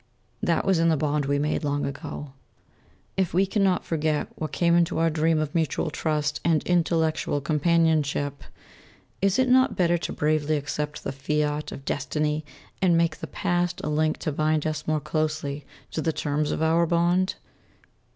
That was in the bond we made long ago. If we cannot forget what came into our dream of mutual trust and intellectual companionship, is it not better to bravely accept the fiat of Destiny and make the past a link to bind us more closely to the terms of our bond?